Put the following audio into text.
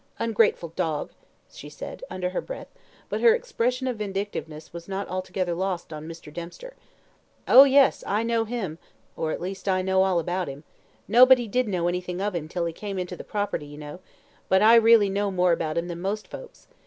Ungrateful dog!" she said, under her breath; but her expression of vindictiveness was not altogether lost on Mr. Dempster. "Oh yes! I know him; or at least I know all about him. Nobody did know anything of him till he came into the property, you know; but I really know more about him than most folks.